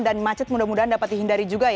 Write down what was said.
dan macet mudah mudahan dapat dihindari juga